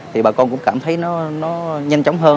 thì bà con cũng cảm thấy nó nhanh chóng